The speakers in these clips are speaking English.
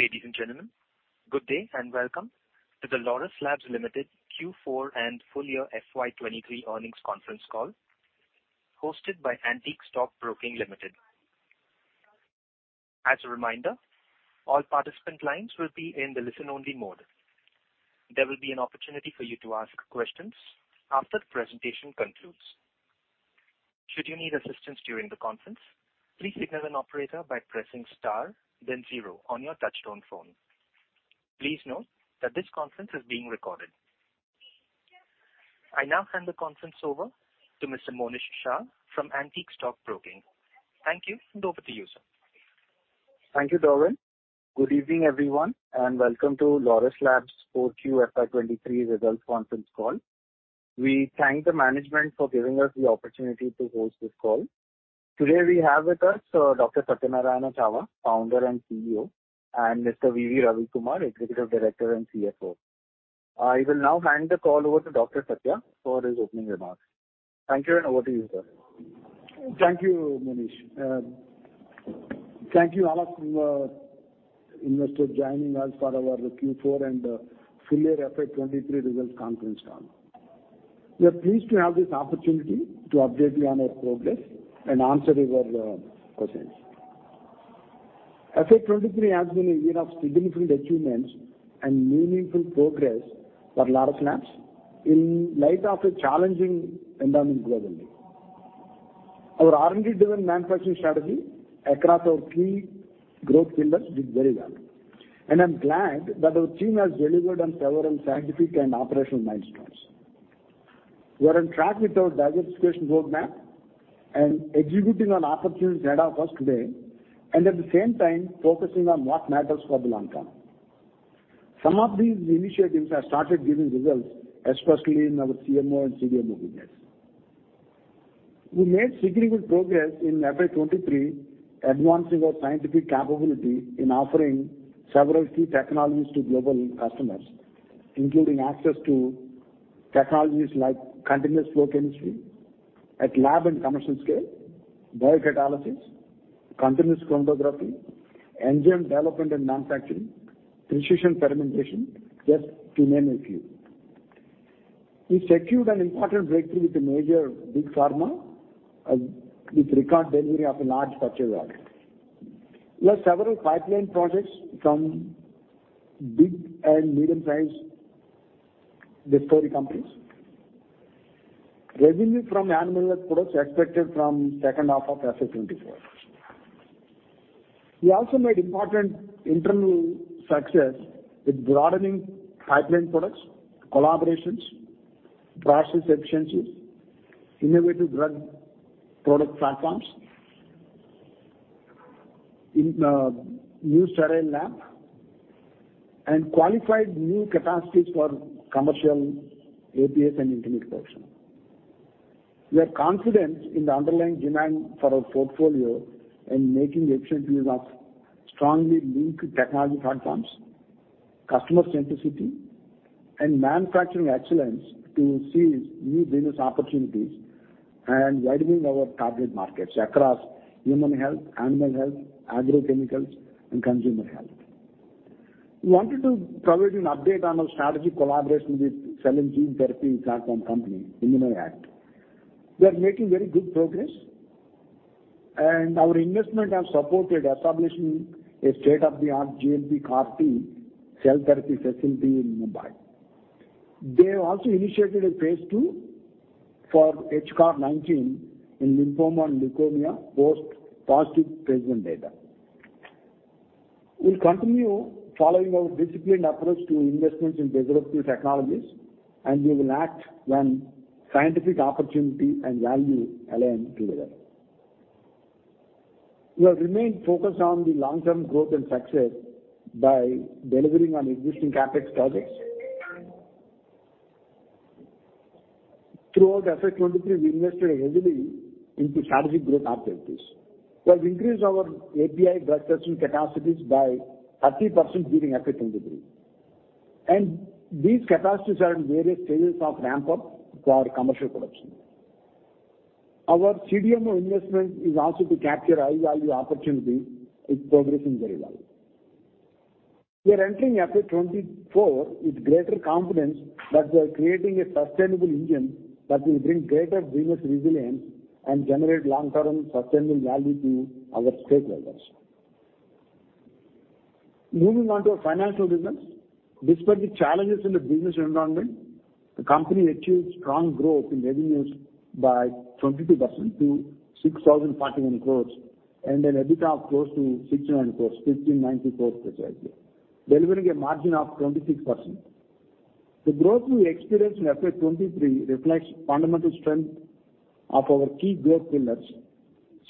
Ladies and gentlemen, good day and welcome to the Laurus Labs Limited Q4 and full year FY 2023 earnings conference call, hosted by Antique Stock Broking Limited. As a reminder, all participant lines will be in the listen-only mode. There will be an opportunity for you to ask questions after the presentation concludes. Should you need assistance during the conference, please signal an operator by pressing star then zero on your touchtone phone. Please note that this conference is being recorded. I now hand the conference over to Mr. Monish Shah from Antique Stock Broking. Thank you, and over to you, sir. Thank you, Darwin. Good evening, everyone, and welcome to Laurus Labs Q4 FY 2023 results conference call. We thank the management for giving us the opportunity to host this call. Today we have with us, Dr. Satyanarayana Chava, Founder and CEO, and Mr. V.V. Ravi Kumar, Executive Director and CFO. I will now hand the call over to Dr. Satya for his opening remarks. Thank you, and over to you, sir. Thank you, Monish. Thank you all of you, investors joining us for our Q4 and full year FY 2023 results conference call. We are pleased to have this opportunity to update you on our progress and answer your questions. FY 2023 has been a year of significant achievements and meaningful progress for Laurus Labs in light of a challenging environment globally. Our R&D-driven manufacturing strategy across our key growth pillars did very well. I'm glad that our team has delivered on several scientific and operational milestones. We are on track with our diversification roadmap and executing on opportunities ahead of us today, and at the same time focusing on what matters for the long term. Some of these initiatives have started giving results, especially in our CMO and CDMO business. We made significant progress in FY 2023, advancing our scientific capability in offering several key technologies to global customers, including access to technologies like continuous flow chemistry at lab and commercial scale, biocatalysis, continuous chromatography, enzyme development and manufacturing, precision fermentation, just to name a few. We secured an important breakthrough with a major big pharma, with record delivery of a large purchase order, plus several pipeline projects from big and medium-sized discovery companies. Revenue from animal health products expected from second half of FY 2024. We also made important internal success with broadening pipeline products, collaborations, process efficiencies, innovative drug product platforms in new sterile lab and qualified new capacities for commercial APIs and intermediate production. We are confident in the underlying demand for our portfolio and making efficient use of strongly linked technology platforms, customer centricity, and manufacturing excellence to seize new business opportunities and widening our target markets across human health, animal health, agrochemicals, and consumer health. We wanted to provide an update on our strategic collaboration with cell and gene therapy platform company, ImmunoACT. We are making very good progress and our investment has supported establishing a state-of-the-art GMP CAR-T cell therapy facility in Mumbai. They have also initiated a phase II for HCAR-19 in lymphoma and leukemia post positive phase I data. We'll continue following our disciplined approach to investments in disruptive technologies, and we will act when scientific opportunity and value align together. We have remained focused on the long-term growth and success by delivering on existing CapEx projects. Throughout FY 2023, we invested heavily into strategic growth opportunities. We have increased our API/Drug substance capacities by 30% during FY 2023, and these capacities are in various stages of ramp up for commercial production. Our CDMO investment is also to capture high-value opportunities is progressing very well. We are entering FY 2024 with greater confidence that we are creating a sustainable engine that will bring greater business resilience and generate long-term sustainable value to our stakeholders. Moving on to our financial results. Despite the challenges in the business environment, the company achieved strong growth in revenues by 22% to 6,041 crores and an EBITDA of close to 69 crores, 1,594 crores precisely, delivering a margin of 26%. The growth we experienced in FY 2023 reflects fundamental strength of our key growth pillars,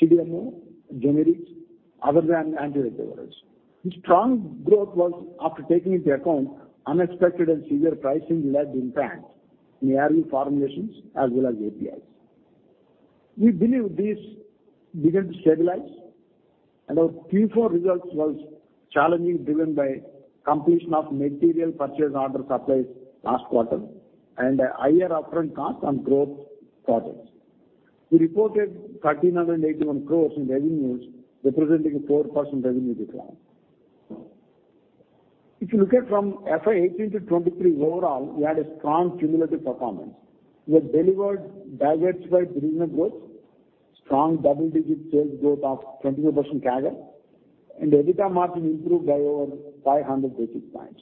CDMO, generics, other than antiretrovirals. The strong growth was after taking into account unexpected and severe pricing led impact in ARV formulations as well as APIs. We believe this began to stabilize and our Q4 results was challenging, driven by completion of material purchase order supplies last quarter and higher upfront costs on growth projects. We reported 1,381 crores in revenues, representing a 4% revenue decline. If you look at from FY 2018 to 2023 overall, we had a strong cumulative performance. We have delivered diversified business growth, strong double-digit sales growth of 22% CAGR, and EBITDA margin improved by over 500 basis points.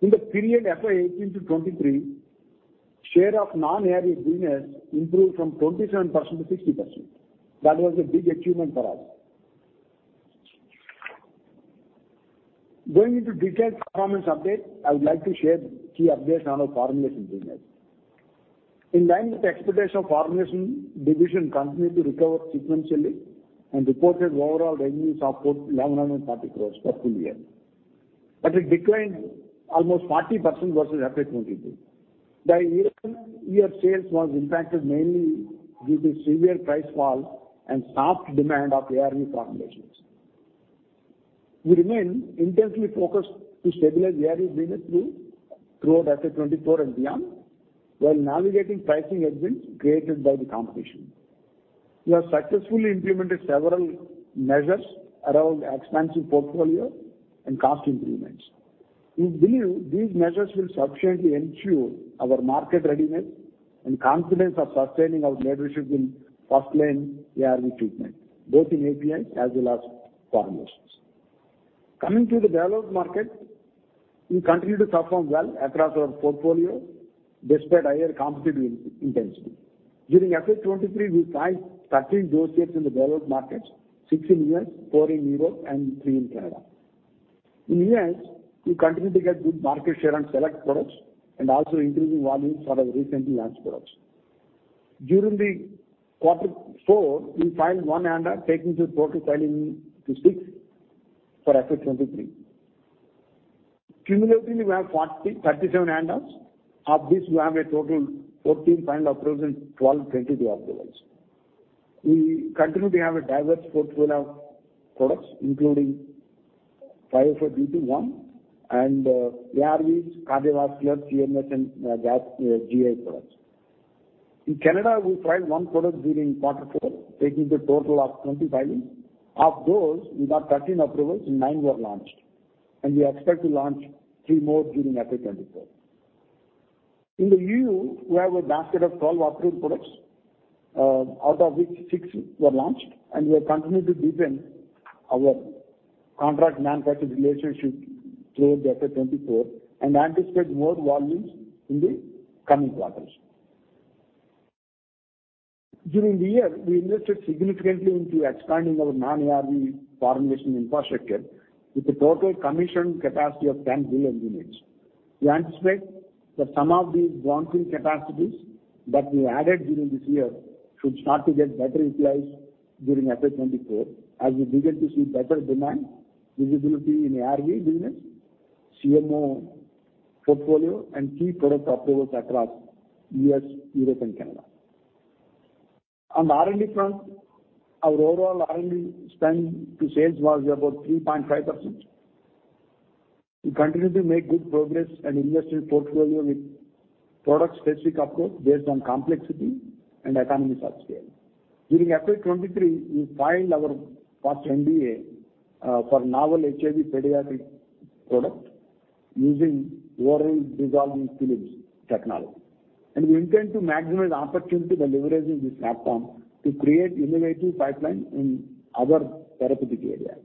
In the period FY 2018 to 2023, share of non-ARV business improved from 27% to 60%. That was a big achievement for us. Going into detailed performance update, I would like to share key updates on our formulations business. In line with expectations, formulation division continued to recover sequentially and reported overall revenues of 1,140 crore for full year. It declined almost 40% versus FY 2022. The year-on-year sales was impacted mainly due to severe price fall and soft demand of ARV formulations. We remain intensely focused to stabilize ARV business throughout FY 2024 and beyond, while navigating pricing headwinds created by the competition. We have successfully implemented several measures around expansive portfolio and cost improvements. We believe these measures will sufficiently ensure our market readiness and confidence of sustaining our leadership in first-line ARV treatment, both in APIs as well as formulations. Coming to the developed market, we continue to perform well across our portfolio despite higher competitive intensity. During FY 2023, we filed 13 dossiers in the developed markets, six in U.S., four in Europe, and three in Canada. In U.S., we continue to get good market share on select products and also increasing volumes for our recently launched products. During the quarter four, we filed one ANDA, taking the total filing to six for FY 2023. Cumulatively, we have 37 ANDAs. Of this, we have a total 14 final approvals and 12 pending to be approved. We continue to have a diverse portfolio of products, including 505 and ARVs, cardiovascular, CNS, and GI products. In Canada, we filed 1 product during quarter four, taking the total of 20 filings. Of those, we got 13 approvals and nine were launched, and we expect to launch three more during FY 2024. In the E.U., we have a basket of 12 approved products, out of which six were launched. We have continued to deepen our contract manufacturing relationship through FY 2024 and anticipate more volumes in the coming quarters. During the year, we invested significantly into expanding our non-ARV formulation infrastructure with a total commissioned capacity of 10 billion units. We anticipate that some of these branching capacities that we added during this year should start to get better utilized during FY 2024 as we begin to see better demand visibility in ARV business, CMO portfolio, and key product approvals across U.S., Europe, and Canada. On the R&D front, our overall R&D spend to sales was about 3.5%. We continue to make good progress and invest in portfolio with product-specific approach based on complexity and economies of scale. During FY 2023, we filed our first NDA for novel HIV pediatric product using oral dissolving films technology. We intend to maximize opportunity by leveraging this platform to create innovative pipeline in other therapeutic areas.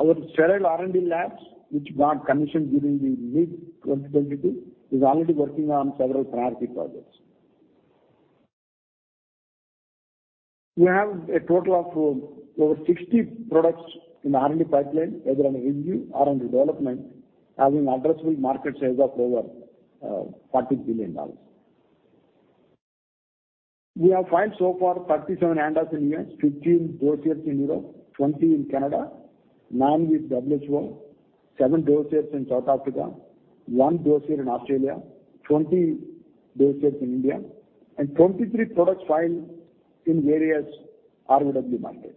Our sterile R&D labs, which got commissioned during the mid-2022, is already working on several priority projects. We have a total of over 60 products in the R&D pipeline, either in review or in development, having addressable market size of over $14 billion. We have filed so far 37 ANDAs in U.S., 15 dossiers in Europe, 20 in Canada, nine with WHO, seven dossiers in South Africa, one dossier in Australia, 20 dossiers in India, and 23 products filed in various ROW markets.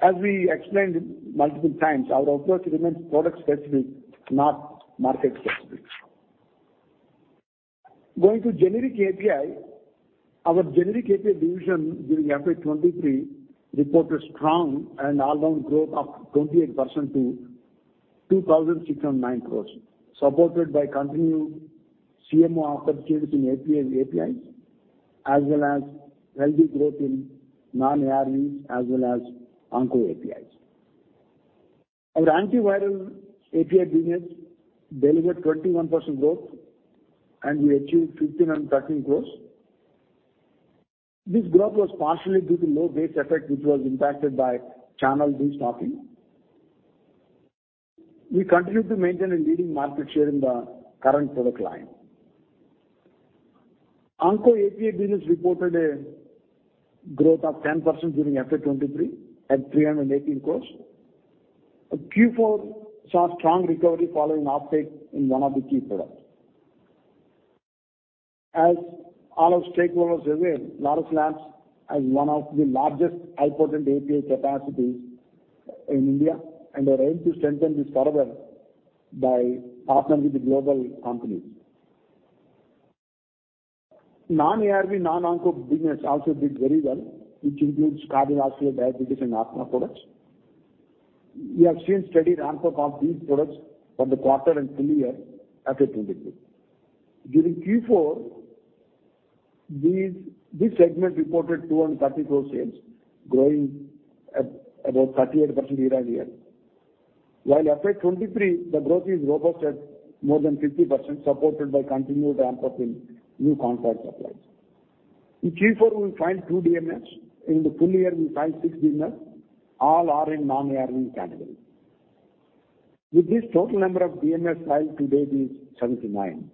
As we explained multiple times, our approach remains product-specific, not market-specific. Going to generic API, our generic API division during FY 2023 reported strong and all-round growth of 28% to 2,609 crores, supported by continued CMO opportunities in API, APIs, as well as healthy growth in non-ARVs as well as onco APIs. Our antiviral API business delivered 21% growth, and we achieved 1,513 crores. This growth was partially due to low base effect, which was impacted by channel destocking. We continue to maintain a leading market share in the current product line. Onco API business reported a growth of 10% during FY 2023 at 318 crores. Q4 saw strong recovery following uptake in one of the key products. As all our stakeholders are aware, Laurus Labs has one of the largest high-potent API capacities in India, and are aimed to strengthen this further by partnering with the global companies. Non-ARV, non-onco business also did very well, which includes cardiovascular, diabetes, and asthma products. We have seen steady ramp-up of these products for the quarter and full year at 2023. During Q4, this segment reported 230 crores sales, growing at about 38% year-on-year. FY 2023, the growth is robust at more than 50%, supported by continued ramp-up in new contract supplies. In Q4, we filed two DMFs. In the full year, we filed six DMFs. All are in non-ARV category. With this total number of DMFs filed to date is 79.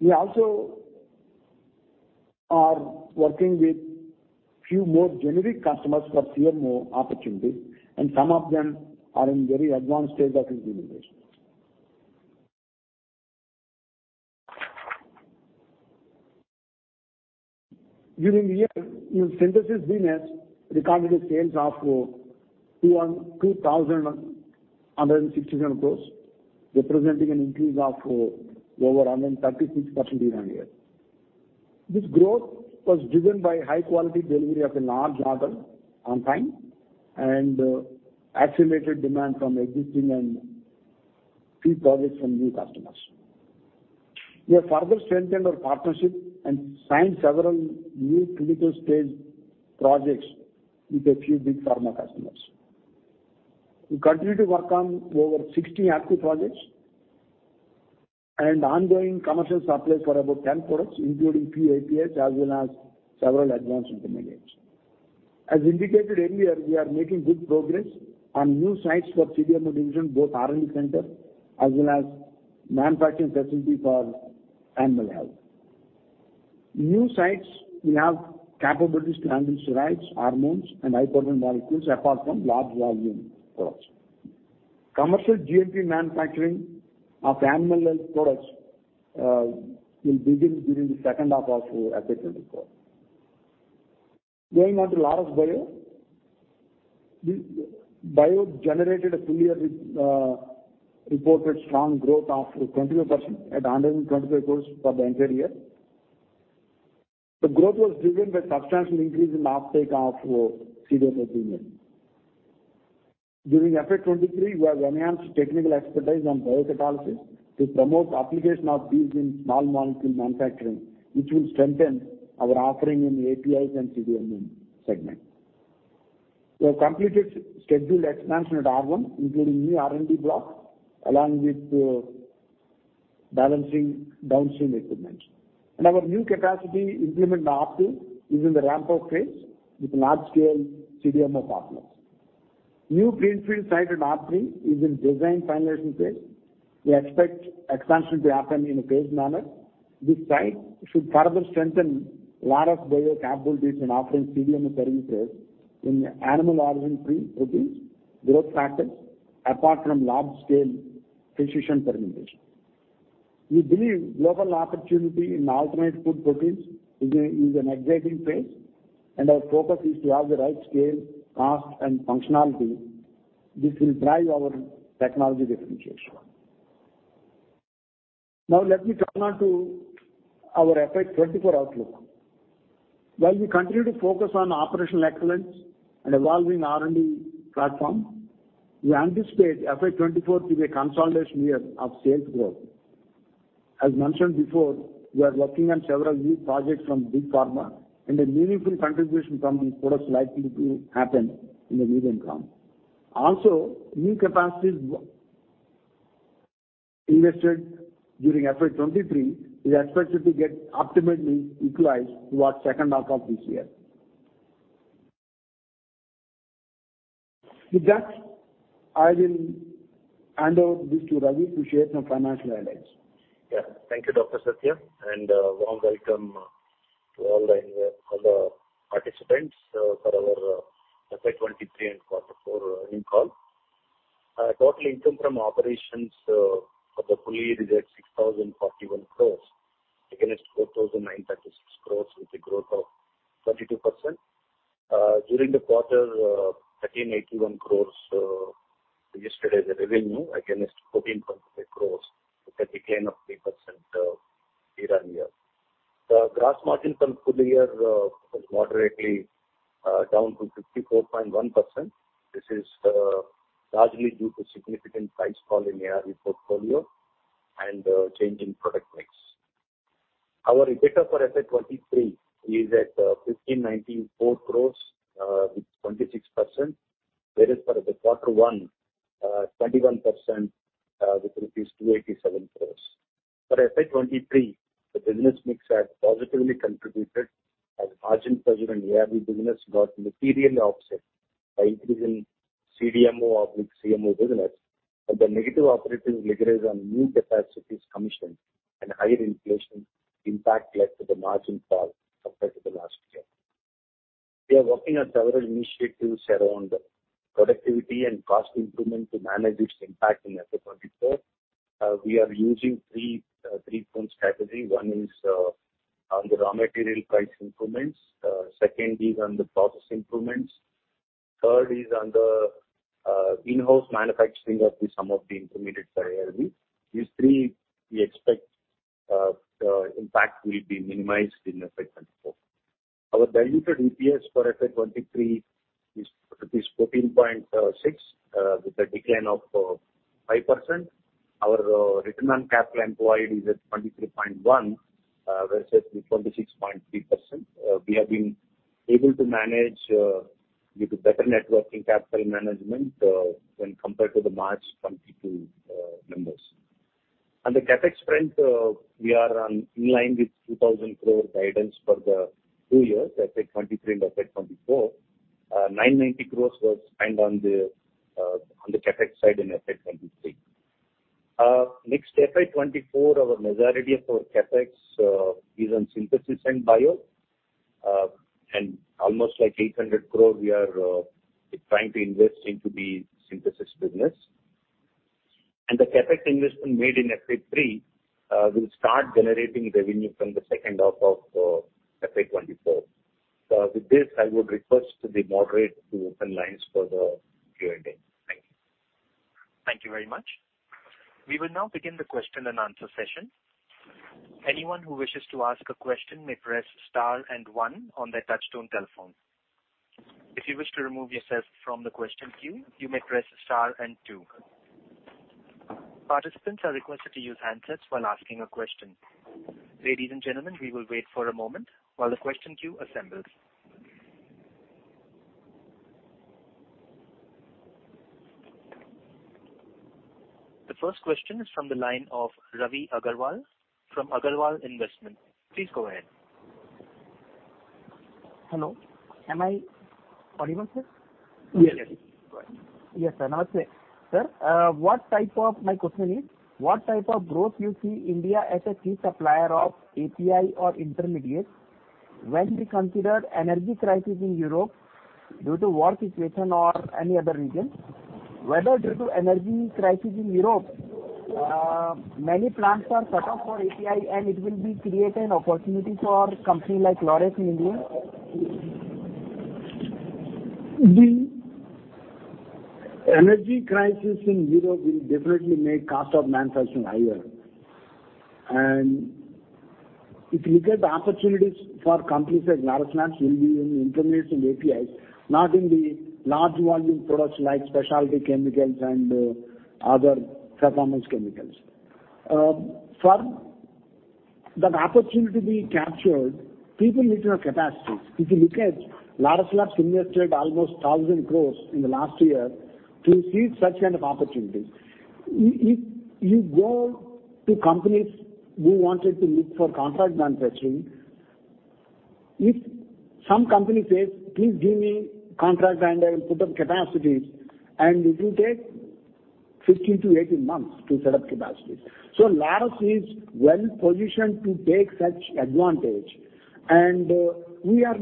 We also are working with few more generic customers for CMO opportunities, and some of them are in very advanced stage of implementation. During the year, our synthesis business recorded a sales of 2,167 crores, representing an increase of over 136% year-on-year. This growth was driven by high quality delivery of a large order on time and accelerated demand from existing and key projects from new customers. We have further strengthened our partnership and signed several new clinical stage projects with a few big pharma customers. We continue to work on over 60 active projects and ongoing commercial supplies for about 10 products, including key APIs as well as several advanced intermediates. As indicated earlier, we are making good progress on new sites for CDMO division, both R&D center as well as manufacturing facility for animal health. New sites will have capabilities to handle steroids, hormones, and high-potential molecules apart from large volume products. Commercial GMP manufacturing of animal health products will begin during the second half of FY 2024. Going on to Laurus Bio. The Bio generated a full year with reported strong growth of 21% at 125 crores for the entire year. The growth was driven by substantial increase in the uptake of CDMO business. During FY 2023, we have enhanced technical expertise on biocatalysis to promote application of these in small molecule manufacturing, which will strengthen our offering in APIs and CDMO segment. We have completed scheduled expansion at R1, including new R&D block, along with balancing downstream equipment. Our new capacity implement R2 is in the ramp-up phase with large-scale CDMO partners. New greenfield site at R3 is in design finalization phase. We expect expansion to happen in a phased manner. This site should further strengthen Laurus Bio capabilities in offering CDMO services in animal origin-free proteins, growth factors, apart from large-scale precision fermentation. We believe global opportunity in alternate food proteins is an exciting phase. Our focus is to have the right scale, cost, and functionality. This will drive our technology differentiation. Let me turn on to our FY 2024 outlook. While we continue to focus on operational excellence and evolving R&D platform, we anticipate FY 2024 to be a consolidation year of sales growth. As mentioned before, we are working on several new projects from big pharma. A meaningful contribution from these products likely to happen in the medium term. New capacities invested during FY 2023 is expected to get optimally utilized towards second half of this year. I will hand over this to Ravi to share some financial highlights. Thank you, Dr. Satya, warm welcome to all the participants for our FY 2023 and Q4 earning call. Total income from operations for the full year is at 6,041 crores against 4,936 crores with a growth of 32%. During the quarter, 1,381 crores registered as a revenue against 1,425 crores with a decline of 3% year-on-year. The gross margin from full year was moderately down to 54.1%. This is largely due to significant price fall in ARV portfolio and change in product mix. Our EBITDA for FY 2023 is at 1,594 crores with 26%, whereas for the Q1, 21% with 287 crores. For FY 2023, the business mix had positively contributed as margin-positive ARV business got materially offset by increase in CDMO/CMO business, but the negative operating leverage on new capacities commissioned and higher inflation impact led to the margin fall compared to the last year. We are working on several initiatives around productivity and cost improvement to manage its impact in FY 2024. We are using three points categories. One is on the raw material price improvements. Second is on the process improvements. Third is on the in-house manufacturing of the some of the intermediates for ARV. These three we expect, impact will be minimized in FY 2024. Our diluted EPS for FY 2023 is 14.6, with a decline of 5%. Our return on capital employed is at 23.1%, versus the 26.3%. We have been able to manage, due to better networking capital management, when compared to the March 2022 numbers. On the CapEx front, we are on in line with 2,000 crore guidance for the two years, FY 2023 and FY 2024. 990 crore was spent on the CapEx side in FY 2023. FY 2024, our majority of our CapEx is on synthesis and bio. Almost like 800 crore we are trying to invest into the synthesis business. The CapEx investment made in FY 2023 will start generating revenue from the second half of FY 2024. With this, I would request the moderator to open lines for the Q&A. Thank you. Thank you very much. We will now begin the question-and-answer session. Anyone who wishes to ask a question may press star and one on their touchtone telephone. If you wish to remove yourself from the question queue, you may press star and two. Participants are requested to use handsets when asking a question. Ladies and gentlemen, we will wait for a moment while the question queue assembles. The first question is from the line of Ravi Agarwal from Agarwal Investment. Please go ahead. Hello. Am I audible, sir? Yes. Yes. Go ahead. Yes, sir. Namaste. Sir, what type of growth you see India as a key supplier of API or intermediates when we consider energy crisis in Europe due to war situation or any other reason? Whether due to energy crisis in Europe, many plants are shut off for API, and it will be create an opportunity for company like Laurus in India? The energy crisis in Europe will definitely make cost of manufacturing higher. If you look at the opportunities for companies like Laurus Labs will be in intermediates and APIs, not in the large volume products like specialty chemicals and other performance chemicals. For that opportunity to be captured, people need to have capacities. If you look at Laurus Labs invested almost 1,000 crores in the last year to seize such kind of opportunities. If you go to companies who wanted to look for contract manufacturing, if some company says, "Please give me contract and I will put up capacities," and it will take 16-18 months to set up capacities. Laurus is well positioned to take such advantage, and we are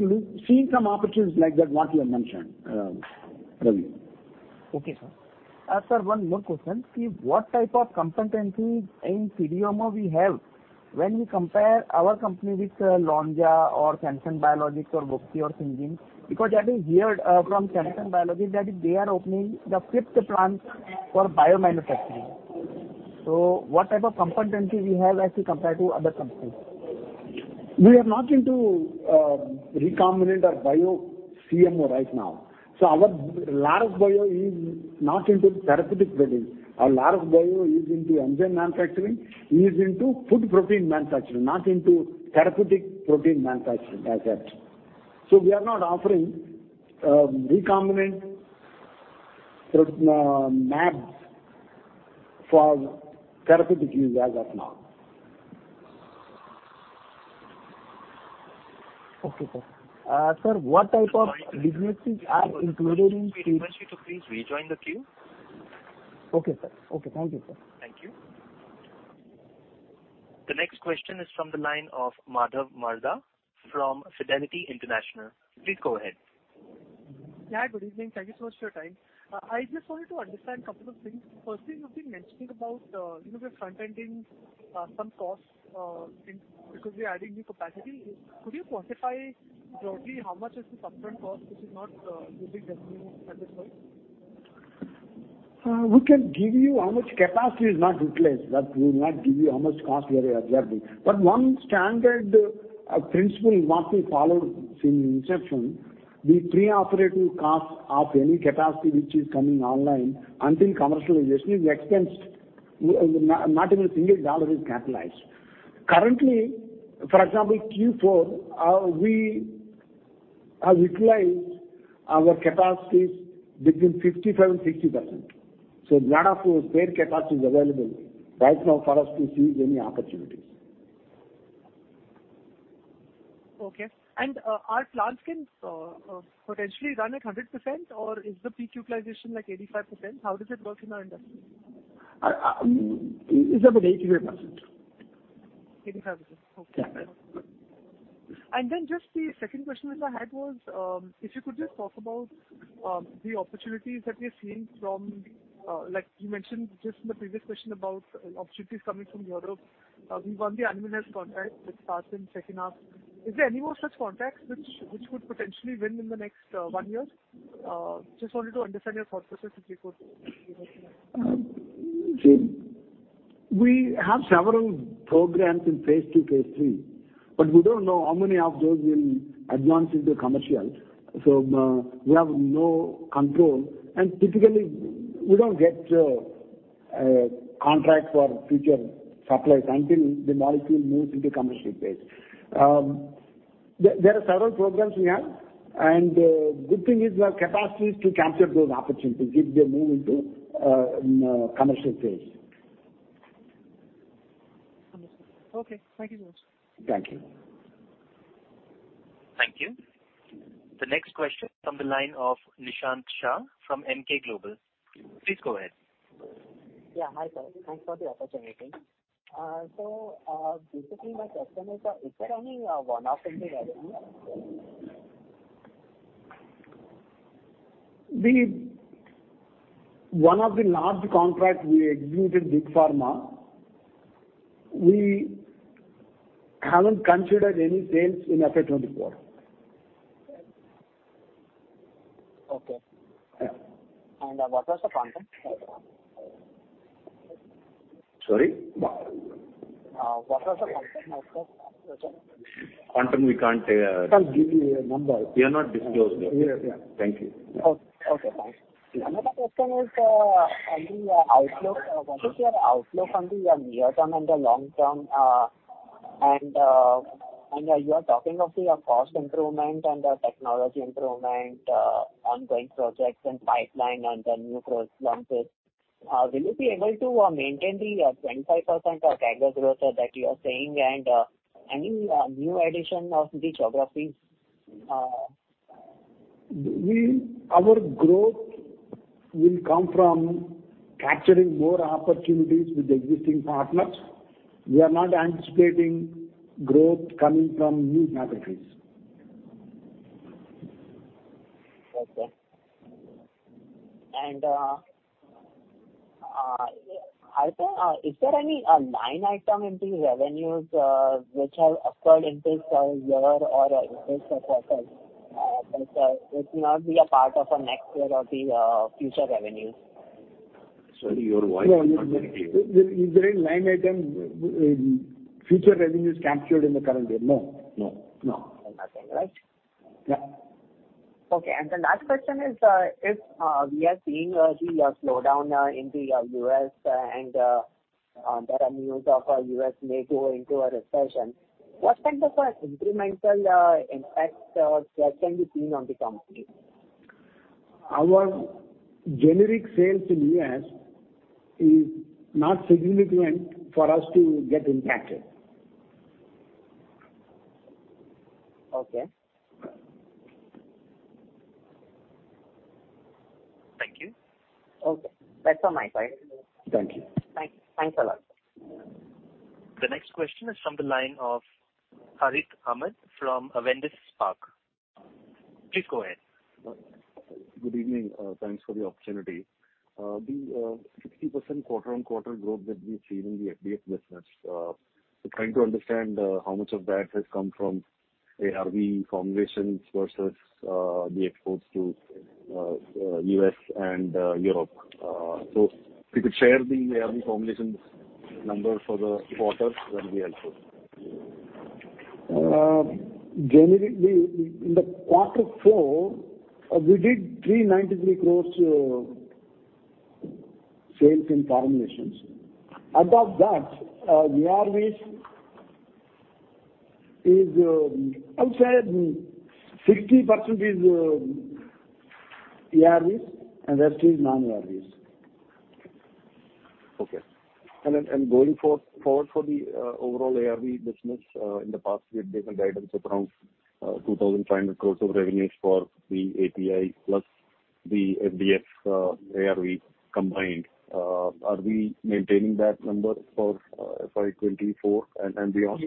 seeing some opportunities like that, what you have mentioned, Ravi. Okay, sir. Sir, one more question. See, what type of competencies in CDMO we have when we compare our company with Lonza or Samsung Biologics or WuXi or Syngene? Because that is heard from Samsung Biologics that is they are opening the 5th plant for bio-manufacturing. What type of competency we have as we compare to other companies? We are not into recombinant or bio CMO right now. Our Laurus Bio is not into therapeutic proteins. Our Laurus Bio is into enzyme manufacturing, is into food protein manufacturing, not into therapeutic protein manufacturing as such. We are not offering recombinant jabs for therapeutic use as of now. Okay, sir. Sir, what type of businesses are included? I request you to please rejoin the queue. Okay, sir. Okay. Thank you, sir. Thank you. The next question is from the line of Madhav Marda from Fidelity International. Please go ahead. Good evening. Thank you so much for your time. I just wanted to understand a couple of things. Firstly, you've been mentioning about, you know, we're front ending, some costs, in because we're adding new capacity. Could you quantify broadly how much is the upfront cost, which is not giving revenue at this point? We can give you how much capacity is not utilized, but we will not give you how much cost we are absorbing. One standard principle what we followed since inception, the pre-operative cost of any capacity which is coming online until commercialization is expensed. Not even a single dollar is capitalized. Currently, for example, Q4, we have utilized our capacities between 55% and 60%. Lot of spare capacity is available right now for us to seize any opportunities. Okay. Our plants can, potentially run at 100% or is the peak utilization like 85%? How does it work in our industry? It's about 85%. Just the second question which I had was, if you could just talk about the opportunities that we're seeing from, like you mentioned just in the previous question about opportunities coming from Europe. We won the animal health contract which starts in second half. Is there any more such contracts which would potentially win in the next one year? Just wanted to understand your thought process before. We have several programs in phase II, phase III, but we don't know how many of those will advance into commercial. We have no control, and typically we don't get a contract for future supplies until the molecule moves into commercial phase. There are several programs we have, and good thing is we have capacities to capture those opportunities if they move into commercial phase. Understood. Okay. Thank you so much. Thank you. Thank you. The next question from the line of Nishant Shah from Emkay Global. Please go ahead. Yeah, hi, sir. Thanks for the opportunity. Basically my question is there any one-off in the revenue? One of the large contracts we executed with pharma, we haven't considered any sales in FY 2024. Okay. Yeah. What was the quantum? Sorry? What was the quantum of that project? Quantum we can't. Can't give you a number. We are not disclosed yet. Yes, yes. Thank you. Okay, thanks. Another question is on the outlook. What is your outlook on the near term and the long term, and you are talking of the cost improvement and the technology improvement, ongoing projects and pipeline and the new product launches. Will you be able to maintain the 25% of CAGR growth that you are saying and any new addition of the geographies? Our growth will come from capturing more opportunities with existing partners. We are not anticipating growth coming from new geographies. Okay. Is there any line item in the revenues which have occurred in this year or in this quarter, but which may not be a part of our next year or the future revenues? Sorry, your voice is not very clear. No, is there any line item, future revenues captured in the current year? No. No. No. Nothing. Right. Yes. Okay. The last question is, if we are seeing the slowdown in the U.S. and there are news of our U.S. may go into a recession, what kind of a incremental impact can be seen on the company? Our generic sales in U.S. is not significant for us to get impacted. Okay. Thank you. Okay. That's all my side. Thank you. Thanks a lot. The next question is from the line of Harith Ahamed from Avendus Spark. Please go ahead. Good evening. Thanks for the opportunity. The 60% quarter-on-quarter growth that we've seen in the FDF business, trying to understand how much of that has come from ARV formulations versus the exports to U.S. and Europe. If you could share the ARV formulations number for the quarter that'll be helpful. Generally we, in the quarter four, we did 393 crores sales in formulations. Above that, ARVs is, I would say 60% is, ARVs, and rest is non-ARVs. Okay. Going forward for the overall ARV business, in the past, you had given guidance around 2,500 crores of revenues for the API plus the FDF, ARV combined. Are we maintaining that number for FY 2024 and beyond?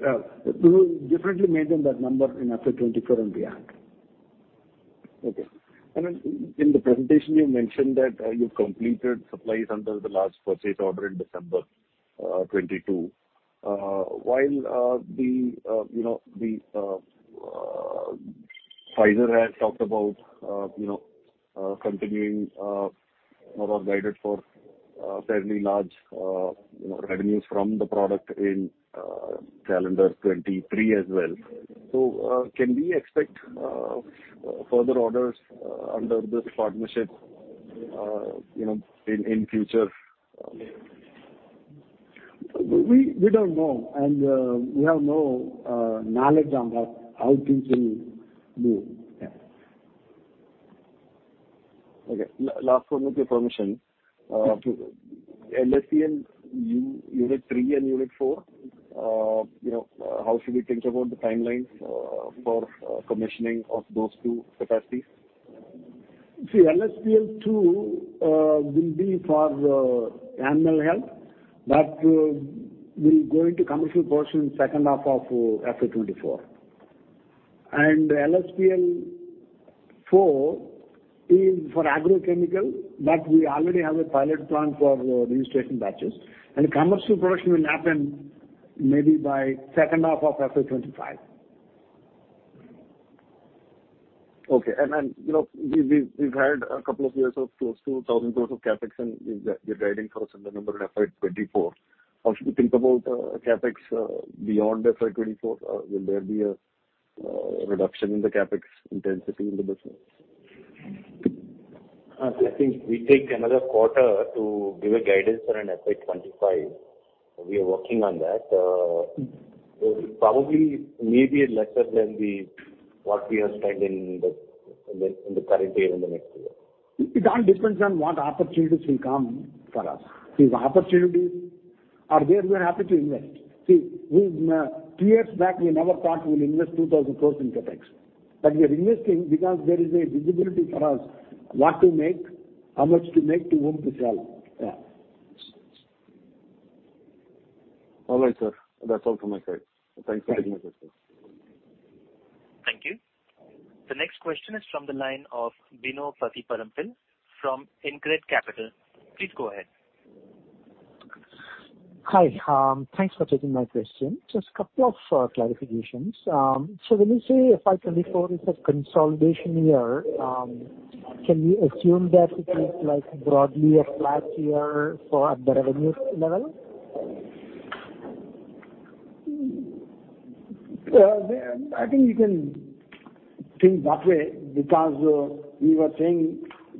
Yes. We will definitely maintain that number in FY 2024 and beyond. Okay. In the presentation you mentioned that you've completed supplies under the last purchase order in December 2022. While, you know, Pfizer has talked about, you know, continuing, or have guided for a fairly large, you know, revenues from the product in calendar 2023 as well. Can we expect further orders under this partnership, you know, in future? We don't know. We have no knowledge on how things will move. Yeah. Okay. Last one with your permission. Sure. LSPL Unit 3 and LSPL Unit 4, you know, how should we think about the timelines for commissioning of those two capacities? LSPL Unit 2 will be for animal health, we're going to commercial portion in second half of FY 2024. LSPL Unit 4 is for agrochemical, we already have a pilot plant for registration batches. Commercial production will happen maybe by second half of FY 2025. Okay. Then, you know, we've had a couple of years of close to 1,000 crores of CapEx, and you're guiding for some the number in FY 2024. How should we think about CapEx beyond FY 2024? Will there be a reduction in the CapEx intensity in the business? I think we take another quarter to give a guidance on an FY 2025. We are working on that. Probably maybe lesser than what we have spent in the current year and the next year. It all depends on what opportunities will come for us. If opportunities are there, we are happy to invest. Two years back, we never thought we will invest 2,000 crores in CapEx. We are investing because there is a visibility for us what to make, how much to make, to whom to sell. Yeah. All right, sir. That's all from my side. Thanks for taking my questions. Thank you. Thank you. The next question is from the line of Bino Pathiparampil from InCred Capital. Please go ahead. Hi. Thanks for taking my question. Just couple of clarifications. When you say FY 2024 is a consolidation year, can we assume that it is like broadly a flat year for at the revenue level? I think you can think that way because we were saying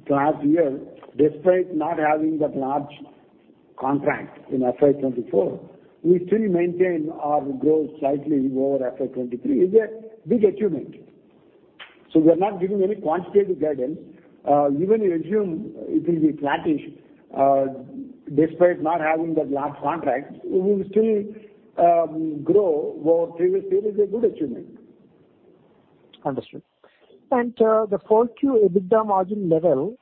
last year, despite not having that large contract in FY 2024, we still maintain our growth slightly over FY 2023, is a big achievement. We are not giving any quantitative guidance. Even you assume it will be flattish, despite not having that large contract, we will still grow over previous year is a good achievement. Understood. The Q4 EBITDA margin level,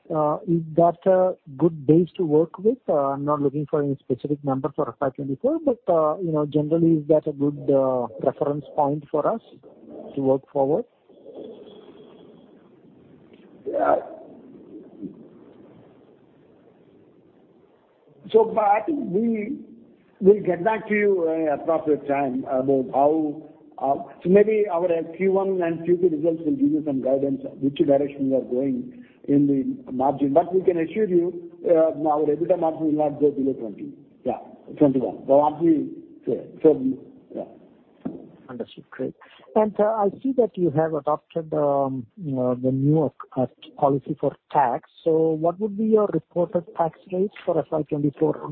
is that a good base to work with? I'm not looking for any specific number for FY 2024, but, you know, generally is that a good reference point for us to work forward? Yeah. I think we will get back to you at appropriate time about how maybe our Q1 and Q2 results will give you some guidance which direction we are going in the margin. We can assure you our EBITDA margin will not go below 20%. Yeah, 21%. Actually, yeah, 20%. Yeah. Understood. Great. I see that you have adopted the new policy for tax. What would be your reported tax rates for FY 2024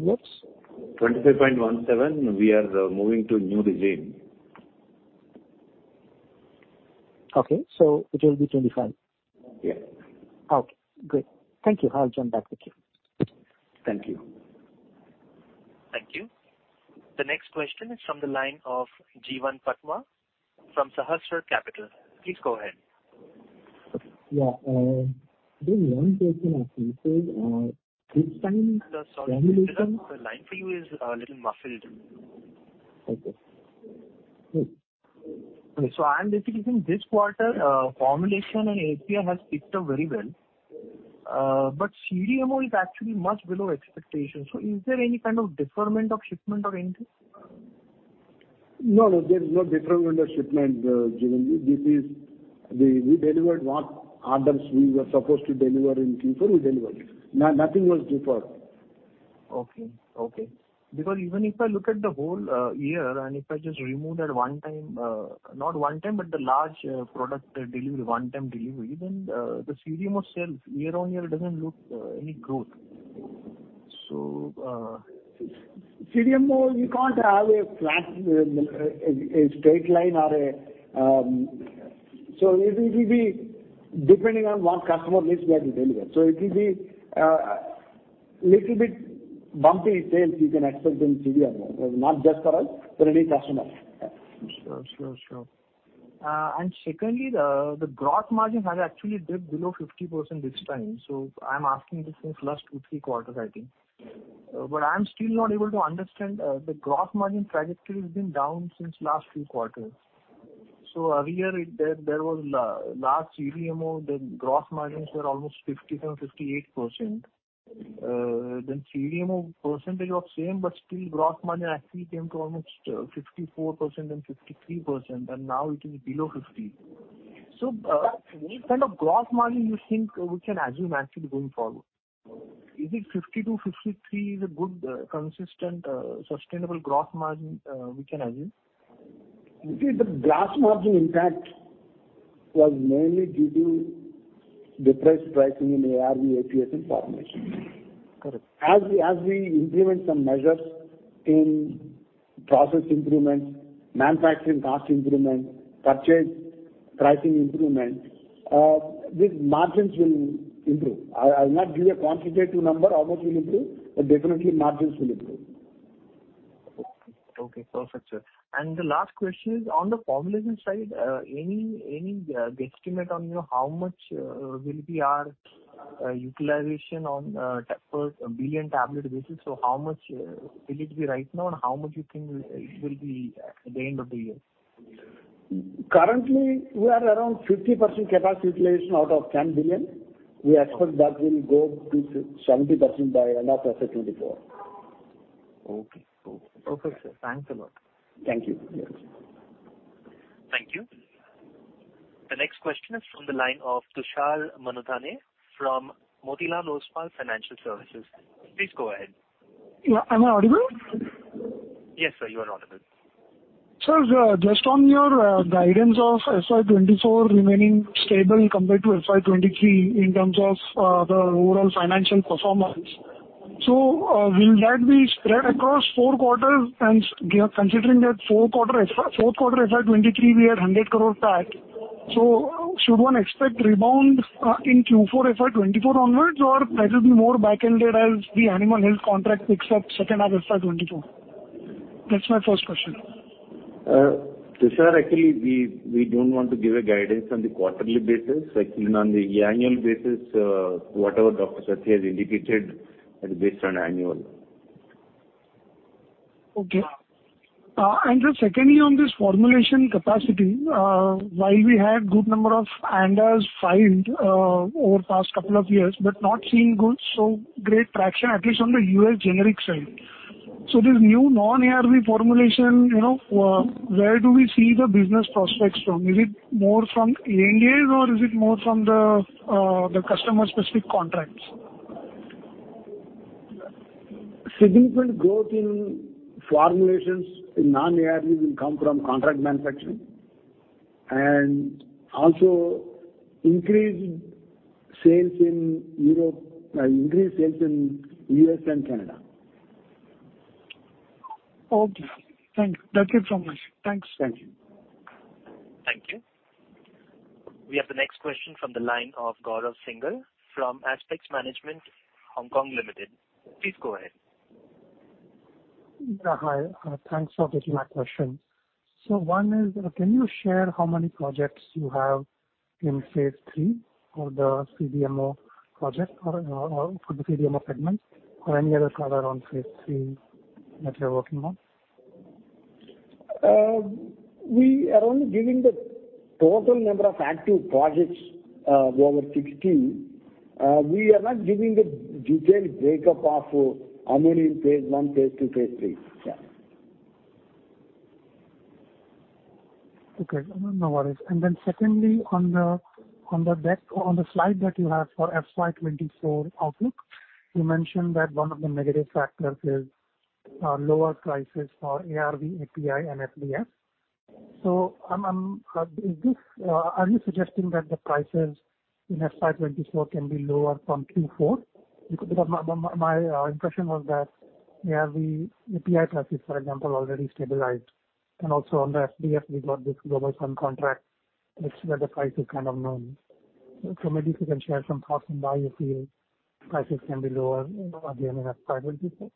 onwards? 25.17%. We are moving to new regime. Okay. It will be 25%. Yeah. Okay, great. Thank you. I'll join back with you. Thank you. Thank you. The next question is from the line of Jeevan Patwa from Sahasrar Capital. Please go ahead. Yeah. Just one question I think is, this time formulation- Sorry. The line for you is a little muffled. Okay. I'm basically saying this quarter, formulation and API has picked up very well. CDMO is actually much below expectations. Is there any kind of deferment of shipment or anything? No, there's no deferment of shipment, Jeevan. We delivered what orders we were supposed to deliver in Q4, we delivered. Nothing was deferred. Okay. Okay. even if I look at the whole year, and if I just remove that one time, not one time, but the large product delivery, one-time delivery, then the CDMO sales year on year doesn't look any growth. CDMO, you can't have a flat, a straight line or a. It will be depending on what customer lists we are delivering. It will be little bit bumpy sales you can expect in CDMO. Not just for us, for any customer. Yeah. Sure, sure. Secondly, the gross margin has actually dipped below 50% this time. I'm asking this since last two, three quarters, I think. I'm still not able to understand, the gross margin trajectory has been down since last few quarters. A year it, there was large CDMO, the gross margins were almost 50%-58%. CDMO percentage are same, but still gross margin actually came to almost 54% and 53%, and now it is below 50%. Which kind of gross margin you think we can assume actually going forward? Is it 50%-53% is a good, consistent, sustainable gross margin we can assume? See, the gross margin impact was mainly due to depressed pricing in ARV, APIs and formulation. Correct. As we implement some measures in process improvements, manufacturing cost improvements, purchase pricing improvements, these margins will improve. I'll not give a quantitative number, how much it'll improve, but definitely margins will improve. Okay, perfect, sir. The last question is on the formulation side, any guesstimate on, you know, how much will be our utilization on per billion tablet basis? How much will it be right now, and how much you think it will be at the end of the year? Currently, we are around 50% capacity utilization out of 10 billion. Okay. We expect that will go to 70% by end of FY 2024. Okay. Okay. Okay, sir. Thanks a lot. Thank you. Yes. Thank you. The next question is from the line of Tushar Manudhane from Motilal Oswal Financial Services. Please go ahead. Yeah. Am I audible? Yes, sir, you are audible. Sir, just on your guidance of FY 2024 remaining stable compared to FY 2023 in terms of the overall financial performance. Will that be spread across four quarters, and considering that fourth quarter FY 2023 we had 100 crore PAT, should one expect rebound in Q4 FY 2024 onwards or that will be more back-ended as the animal health contract picks up second half FY 2024? That's my first question. Tushar, actually, we don't want to give a guidance on the quarterly basis. Actually, on the annual basis, whatever Dr. Satya has indicated, that is based on annual. Okay. just secondly, on this formulation capacity, while we had good number of ANDAs filed, over past couple of years, but not seeing good, so great traction, at least on the U.S. generic side. This new non-ARV formulation, you know, where do we see the business prospects from? Is it more from ANDAs or is it more from the customer-specific contracts? Significant growth in formulations in non-ARV will come from contract manufacturing and also increased sales in Europe, increased sales in U.S. and Canada. Okay, thank you. That's it from me. Thanks. Thank you. Thank you. We have the next question from the line of Gaurav Singhal from Aspex Management Hong Kong Limited. Please go ahead. Yeah, hi. Thanks for taking my question. One is, can you share how many projects you have in phase three for the CDMO project or for the CDMO segment or any other color on phase three that you're working on? We are only giving the total number of active projects, over 60. We are not giving the detailed breakup of how many in phase I, phase II, phase III. Yeah. Okay. No, no worries. Secondly, on the slide that you have for FY 2024 outlook, you mentioned that one of the negative factors is lower prices for ARV, API and FDF. Are you suggesting that the prices in FY 2024 can be lower from Q4? Because my impression was that ARV, API prices, for example, already stabilized. Also on the FDF, we got this Global Fund contract, which where the price is kind of known. Maybe if you can share some thoughts on why you feel prices can be lower, you know, at the end of FY 2024?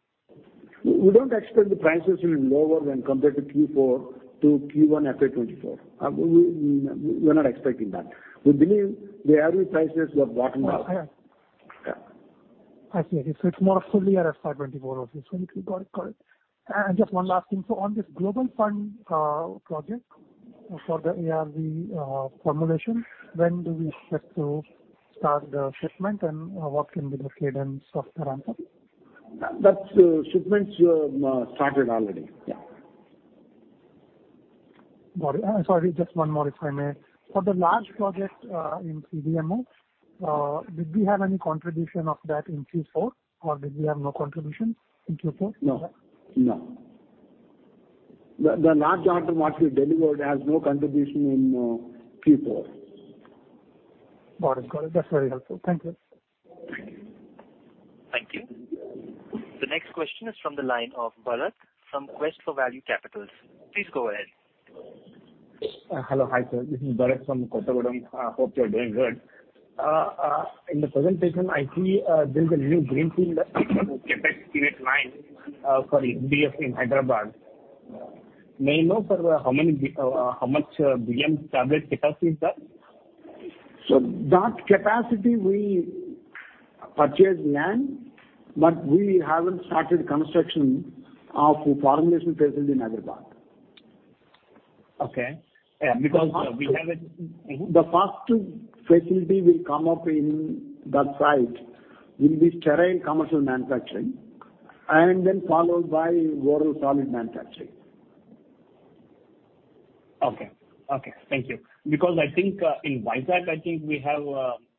We don't expect the prices will be lower when compared to Q4 to Q1 FY 2024. We're not expecting that. We believe the ARV prices have bottomed out. Oh, okay. Yeah. I see. I see. It's more fully ARV FY 2024 obviously. Got it. Got it. Just one last thing. On this Global Fund project for the ARV formulation, when do we expect to start the shipment and what can be the cadence of the ramp-up? Shipments we have started already. Yeah. Got it. sorry, just one more, if I may. For the large project, in CDMO, did we have any contribution of that in Q4, or did we have no contribution in Q4 for that? No. No. The large item what we delivered has no contribution in Q4. Got it. That's very helpful. Thank you. Thank you. Thank you. The next question is from the line of Bharat from Quest for Value Capital. Please go ahead. Hello. Hi, sir. This is Bharat from Quest Value. Hope you're doing good. In the presentation I see there is a new Greenfield Unit 9 in Hyderabad. May I know, sir, how much billion tablet capacity is that? That capacity we purchased land, but we haven't started construction of formulation facility in Hyderabad. Okay. Yeah, because, we have. The first facility will come up in that site will be sterile commercial manufacturing and then followed by oral solid manufacturing. Okay. Okay. Thank you. I think, in Vizag I think we have,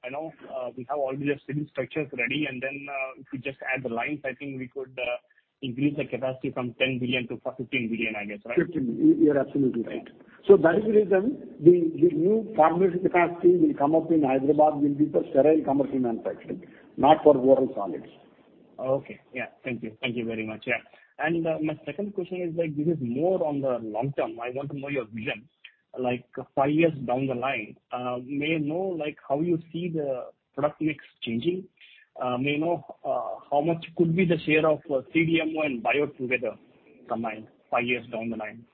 I know, we have all the civil structures ready, and then, if we just add the lines, I think we could increase the capacity from 10 billion to 15 billion, I guess, right? You're absolutely right. That is the reason the new formulation capacity will come up in Hyderabad will be for sterile commercial manufacturing, not for oral solids. Okay. Yeah. Thank you. Thank you very much. Yeah. My second question is like this is more on the long term. I want to know your vision. Like five years down the line, may I know, like, how you see the product mix changing? May I know, how much could be the share of CDMO and bio together combined five years down the line?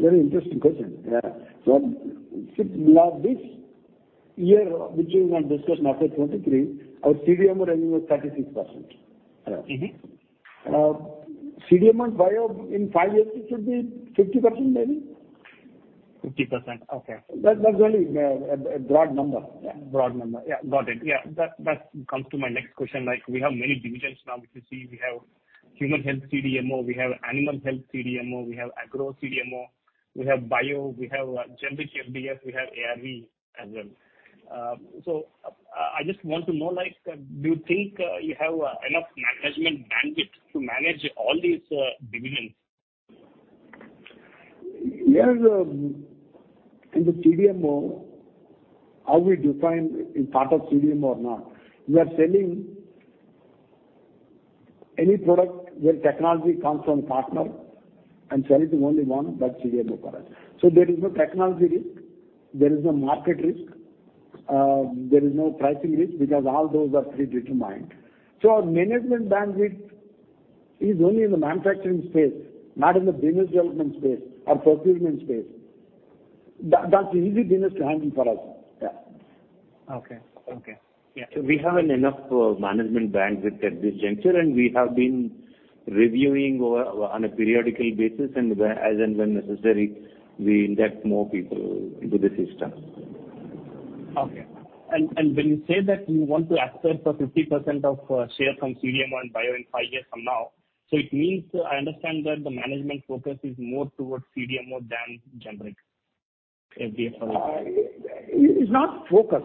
Very interesting question. Yeah. This year, which we might discuss, FY 2023, our CDMO revenue was 36%. Mm-hmm. CDMO and Bio in five years it should be 50% maybe. 50%. Okay. That's only a broad number. Yeah. Broad number. Yeah. Got it. Yeah. That comes to my next question. Like, we have many divisions now, which you see we have human health CDMO, we have animal health CDMO, we have agro CDMO, we have bio, we have generic FDF, we have ARV as well. I just want to know, like, do you think you have enough management bandwidth to manage all these divisions? Yes. In the CDMO, how we define in part of CDMO or not, we are selling any product where technology comes from partner and sell it to only one, that's CDMO for us. There is no technology risk, there is no market risk, there is no pricing risk because all those are predetermined. Our management bandwidth is only in the manufacturing space, not in the business development space or procurement space. That's easy business to handle for us. Okay. Okay. Yeah. We have enough management bandwidth at this juncture, and we have been reviewing on a periodical basis and where as and when necessary, we induct more people into the system. Okay. When you say that you want to access the 50% of share from CDMO and bio in five years from now, it means I understand that the management focus is more towards CDMO than generic FDF or- It's not focus.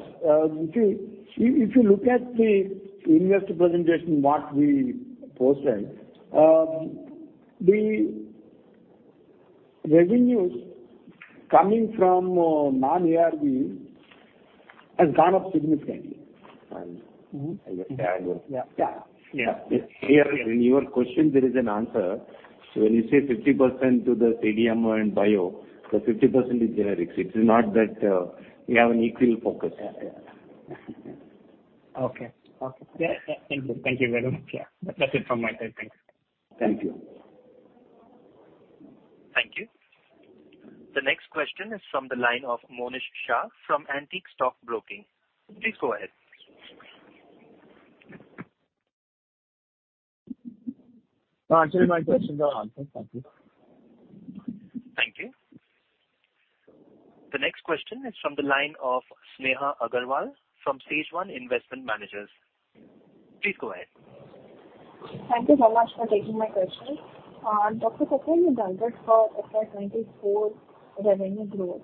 If you look at the investor presentation, what we posted, the revenues coming from non-ARV has gone up significantly. I get that. Yeah. Yeah. Yeah. Here in your question, there is an answer. When you say 50% to the CDMO and bio, the 50% is generics. It is not that we have an equal focus. Yeah. Yeah. Okay. Okay. Yeah. Thank you. Thank you very much. Yeah. That's it from my side. Thanks. Thank you. Thank you. The next question is from the line of Monish Shah from Antique Stock Broking. Please go ahead. Actually, my questions are answered. Thank you. Thank you. The next question is from the line of Neha Agarwal from SageOne Investment Managers. Please go ahead. Thank you very much for taking my question. Dr. Satya, you guided for FY 2024 revenue growth,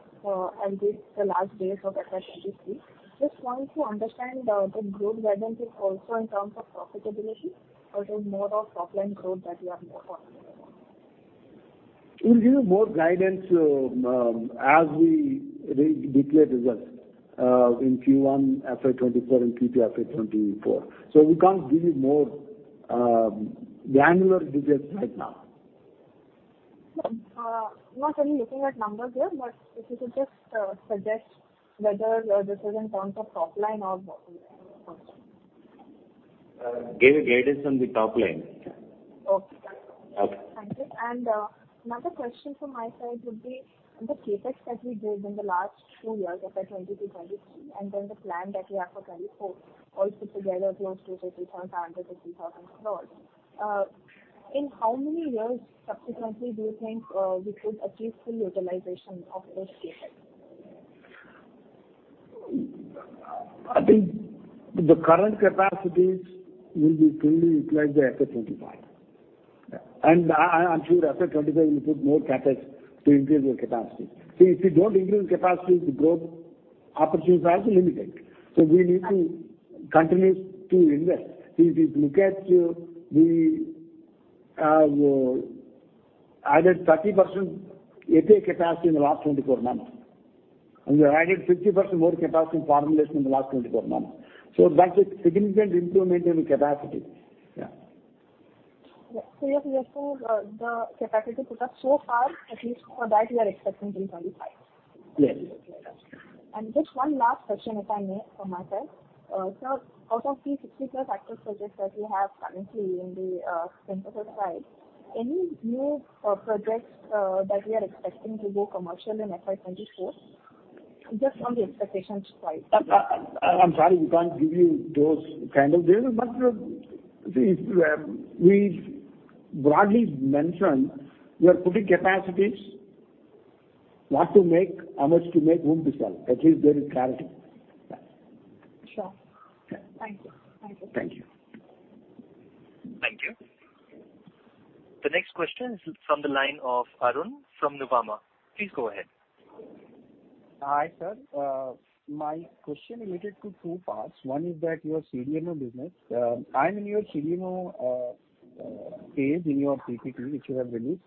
and this the last days of FY 2023. Just want to understand, the growth guidance is also in terms of profitability or is more of top line growth that you are more comfortable with? We'll give you more guidance as we re-declare results in Q1 FY 2024 and Q2 FY 2024. We can't give you more granular digits right now. Sure. Not only looking at numbers here, but if you could just, suggest whether this is in terms of top line or bottom line. gave a guidance on the top line. Okay. Okay. Thank you. Another question from my side would be the CapEx that we did in the last two years, FY 2022, 2023, and then the plan that we have for 2024 all put together close to INR 2,000 crores-INR 3,000 crores. In how many years subsequently do you think we could achieve full utilization of those CapEx? I think the current capacities will be fully utilized by FY 2025. I'm sure FY 2025 we'll put more CapEx to increase our capacity. If you don't increase capacity, the growth opportunities are also limited. We need to continue to invest. If you look at the added 30% API capacity in the last 24 months, and we added 50% more capacity in formulation in the last 24 months. That's a significant improvement in capacity. Yeah. You're saying the capacity put up so far, at least for that you are expecting till 2025? Yes. Just one last question, if I may, from my side. sir, out of the 60-plus active projects that we have currently in the synthesis side, any new projects that we are expecting to go commercial in FY 2024? Just from the expectations side. I'm sorry, we can't give you those kind of details. See, we've broadly mentioned we are putting capacities, what to make, how much to make, whom to sell. At least there is clarity. Yeah. Sure. Yeah. Thank you. Thank you. Thank you. Thank you. The next question is from the line of Arun from Nuvama. Please go ahead. Hi, sir. My question related to two parts. One is that your CDMO business. I mean your CDMO page in your PPT, which you have released.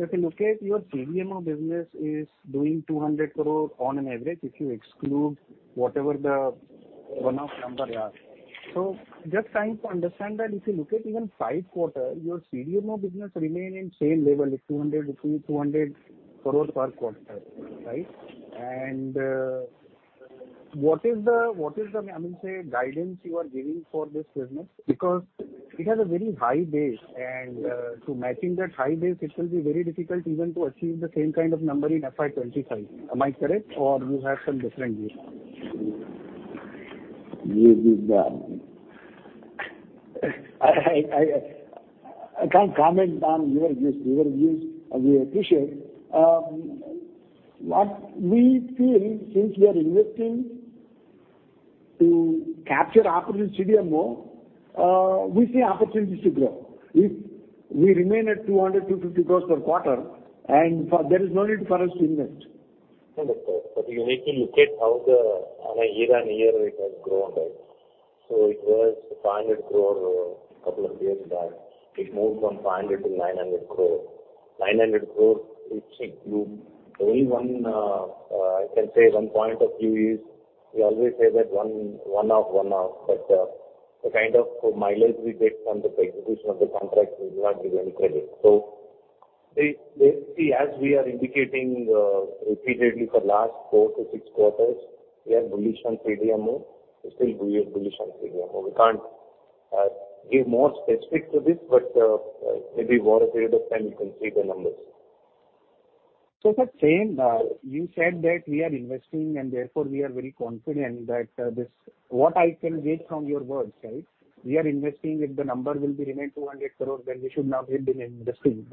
If you look at your CDMO business is doing 200 crore on an average, if you exclude whatever the one-off number you have. Just trying to understand that if you look at even five quarter, your CDMO business remain in same level, 200 crore per quarter, right? What is the, I mean, say, guidance you are giving for this business? Because it has a very high base, and to matching that high base it will be very difficult even to achieve the same kind of number in FY 2025. Am I correct, or you have some different view? I can't comment on your views. Your views, we appreciate. What we feel since we are investing to capture opportunity CDMO, we see opportunities to grow. If we remain at 200 crores-250 crores per quarter, and there is no need for us to invest. You need to look at how the on a year-on-year it has grown, right? It was 500 crore a couple of years back. It moved from 500 crore to 900 crore. 900 crore it took you only one, I can say one point of view is we always say that one one-off, the kind of mileage we get from the execution of the contract will not give any credit. See, as we are indicating, repeatedly for last four to six quarters, we are bullish on CDMO. We're still bullish on CDMO. We can't give more specifics to this, maybe over a period of time you can see the numbers. Sir, same, you said that we are investing and therefore we are very confident that, this. What I can read from your words, right? We are investing. If the number will be remain 200 crore, then we should not have been investing.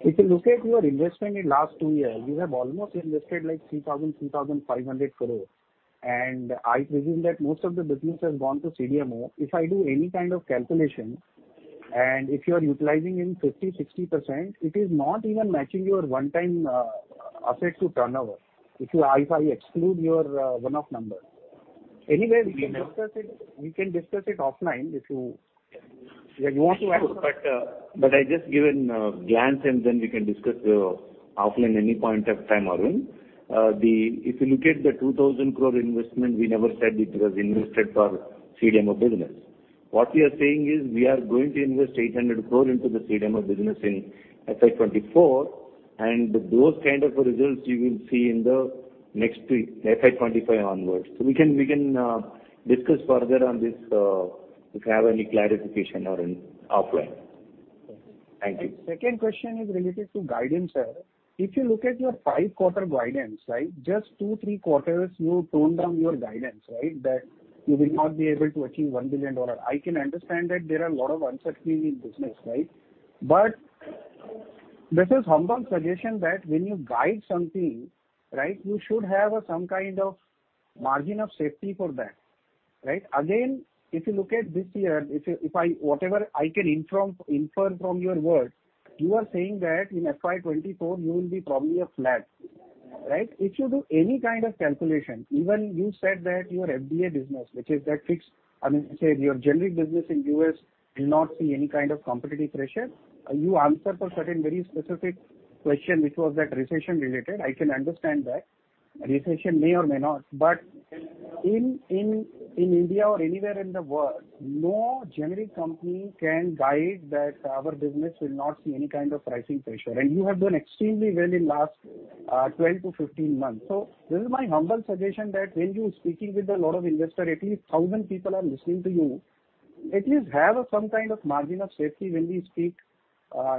If you look at your investment in last two years, you have almost invested like 3,000 crores, INR 2,500 crores. I presume that most of the business has gone to CDMO. If I do any kind of calculation, and if you are utilizing in 50%-60%, it is not even matching your one-time asset to turnover. If you, if I exclude your, one-off number. Anyway, we can discuss it offline if you, if you want to add. I just give a glance, and then we can discuss offline any point of time, Arun. If you look at the 2,000 crore investment, we never said it was invested for CDMO business. What we are saying is we are going to invest 800 crore into the CDMO business in FY 2024, and those kind of results you will see in the next week, FY 2025 onwards. We can discuss further on this if you have any clarification, Arun, offline. Okay. Thank you. Second question is related to guidance, sir. If you look at your five-quarter guidance, right? Just two, three quarters, you tone down your guidance, right? You will not be able to achieve $1 billion. I can understand that there are a lot of uncertainty in business, right? This is humble suggestion that when you guide something, right, you should have some kind of margin of safety for that, right? If you look at this year, whatever I can inform, infer from your words, you are saying that in FY 2024 you will be probably a flat, right? If you do any kind of calculation, even you said that your FDF business, which is that fixed, I mean to say your generic business in U.S. will not see any kind of competitive pressure. You answered for certain very specific question, which was that recession related. I can understand that. Recession may or may not. In India or anywhere in the world, no generic company can guide that our business will not see any kind of pricing pressure. You have done extremely well in last 12 to 15 months. This is my humble suggestion that when you're speaking with a lot of investors, at least 1,000 people are listening to you, at least have some kind of margin of safety when we speak,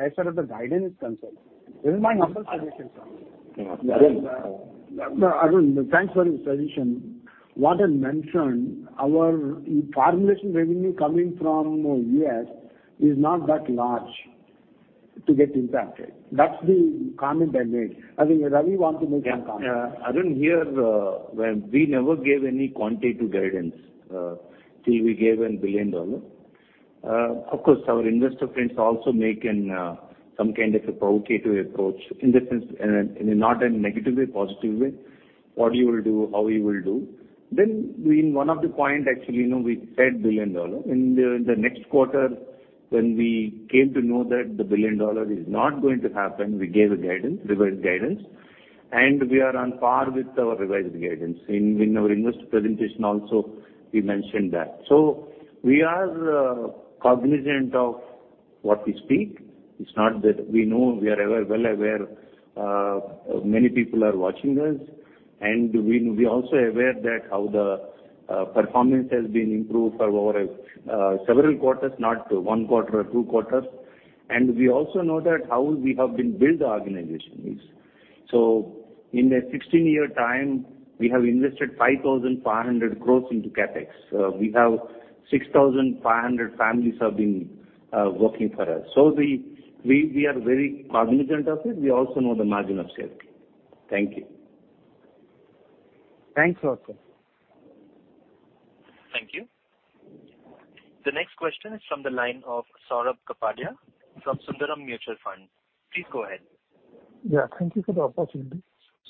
as far as the guidance is concerned. This is my humble suggestion, sir. Arun, thanks for your suggestion. What I mentioned, our formulation revenue coming from U.S. is not that large to get impacted. That's the comment I made. I think Ravi want to make some comment. Yeah. Arun, here, we never gave any quantitative guidance. See, we gave in billion dollar. Of course, our investor friends also make an, some kind of a provocative approach in the sense, in a not a negative way, positive way. What you will do? How you will do? In one of the point, actually, you know, we said billion dollar. In the, in the next quarter, when we came to know that the billion dollar is not going to happen, we gave a guidance, revised guidance, and we are on par with our revised guidance. In our investor presentation also, we mentioned that. We are cognizant of what we speak. It's not that we know we are aware, well aware, many people are watching us, and we also aware that how the performance has been improved for over several quarters, not one quarter or two quarters. We also know that how we have been build the organization is. In a 16-year time, we have invested 5,500 crores into CapEx. We have 6,500 families have been working for us. We are very cognizant of it. We also know the margin of safety. Thank you. Thanks a lot, sir. Thank you. The next question is from the line of Saurabh Kapadia from Sundaram Mutual Fund. Please go ahead. Thank you for the opportunity.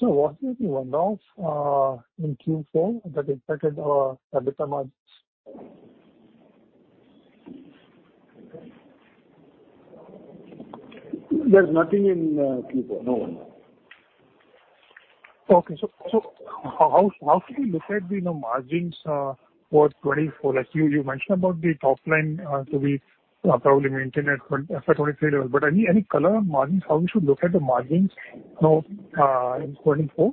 What were the one-offs, in Q4 that impacted our EBITDA margins? There's nothing in Q4. No one-off. How can we look at the, you know, margins for 2024? Like you mentioned about the top line, to be probably maintained at 2023 level. Any color on margins, how we should look at the margins, you know, in 2024?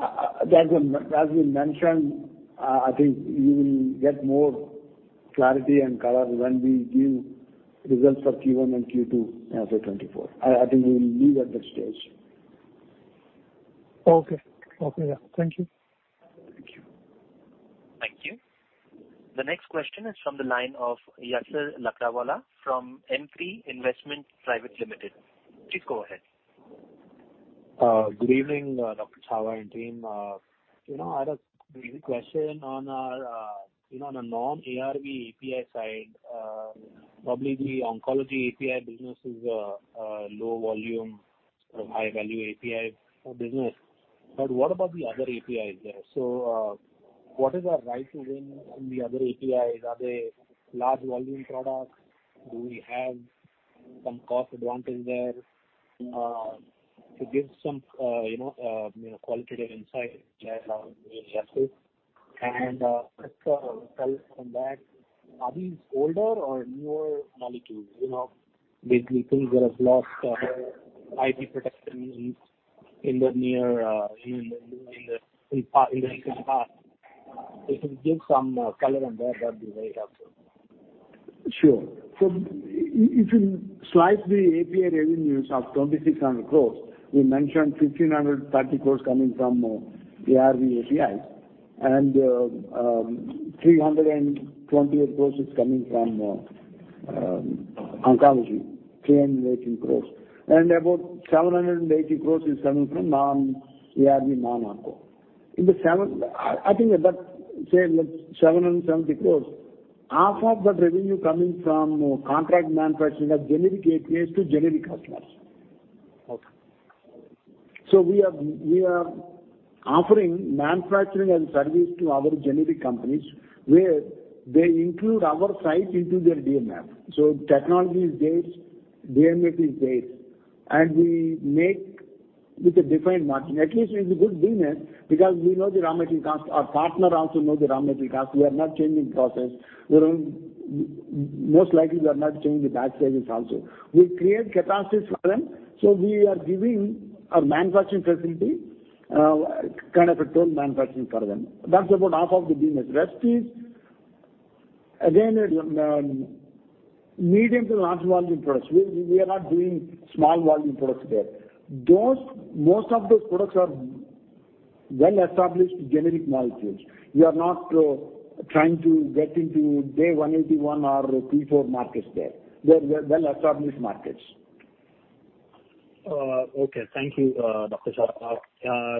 as we mentioned, I think you will get more clarity and color when we give results for Q1 and Q2 for 2024. I think we will leave at that stage. Okay. Okay, yeah. Thank you. Thank you. Thank you. The next question is from the line of Yasser Lakdawala from M3 Investment Private Limited. Please go ahead. Good evening, Dr. Chava and team. You know, I had a brief question on, you know, on the non-ARV API side. Probably the oncology API business is a low volume but high value API business. What about the other APIs there? What is our right to win in the other APIs? Are they large volume products? Do we have some cost advantage there, to give some, you know, qualitative insight there Just tell from that, are these older or newer molecules? You know, basically things that have lost IP protection in the near, in the recent past. If you give some color on that'd be very helpful. Sure. If you slice the API revenues of 2,600 crores, we mentioned 1,530 crores coming from ARV APIs. 318 crores is coming from oncology. About 780 crores is coming from non-ARV, non-onco. 770 crores, half of that revenue coming from contract manufacturing of generic APIs to generic customers. Okay. We are offering manufacturing and service to other generic companies, where they include our site into their DMF. Technology is theirs, DMF is theirs, and we make with a different margin. At least it's a good business because we know the raw material cost. Our partner also know the raw material cost. We are not changing process. Most likely we are not changing the pack sizes also. We create capacities for them, so we are giving our manufacturing facility, kind of a total manufacturing for them. That's about half of the business. Rest is again, medium to large volume products. We are not doing small volume products there. Most of those products are well-established generic molecules. We are not trying to get into day 181 or P4 markets there. They're well-established markets. Okay. Thank you, Dr. Chava.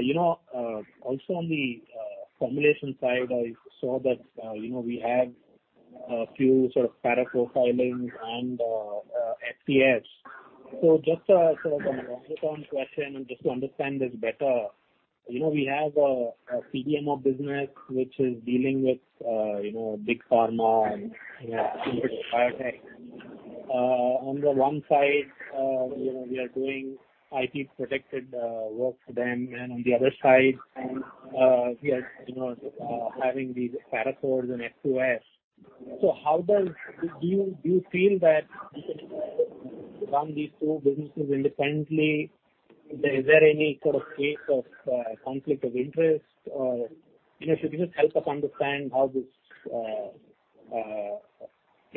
You know, also on the formulation side, I saw that, you know, we have a few sort of Para IV Filings and FTFs. Just a sort of question and just to understand this better, you know, we have a CDMO business which is dealing with, you know, big pharma and, you know, biotech. On the one side, you know, we are doing IP protected work for them, and on the other side, we are, you know, having these Para IV Filings and FTF. Do you feel that you can run these two businesses independently? Is there any sort of case of conflict of interest? Or, you know, if you could just help us understand how this...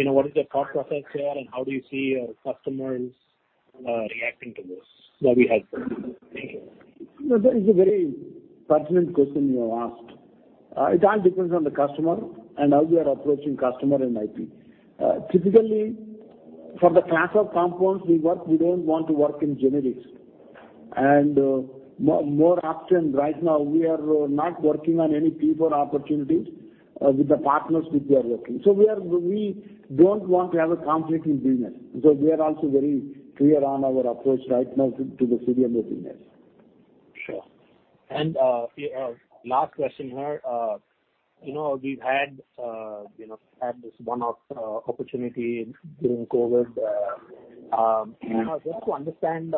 You know, what is the thought process here, and how do you see your customers reacting to this? That'll be helpful. Thank you. No, that is a very pertinent question you have asked. It all depends on the customer and how we are approaching customer in IP. Typically for the class of compounds we work, we don't want to work in generics. More often right now, we are not working on any P4 opportunities, with the partners which we are working. We don't want to have a conflicting business. We are also very clear on our approach right now to the CDMO business. Sure. Yeah, last question here. You know, we've had this one-off opportunity during COVID. You know, just to understand,